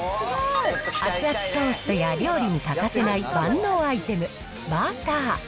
熱々トーストや料理に欠かせない万能アイテム、バター。